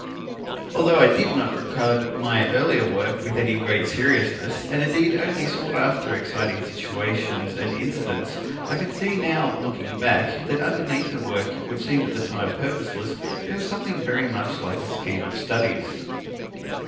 "Although I did not regard my earlier work with any great seriousness and indeed only sought after exciting situations and incidents, I can see now, looking back, that underneath the work which seemed at the time purposeless, there was something very much like a scheme of studies.